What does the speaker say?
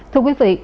thưa quý vị